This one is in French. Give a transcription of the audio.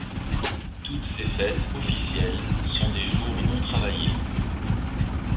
Toutes ces fêtes officielles sont des jours non travaillés.